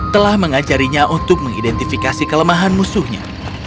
telah mengajarinya untuk mengidentifikasi kelemahan musuhnya